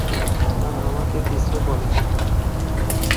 না, আমাকে কিচ্ছু বলেনি।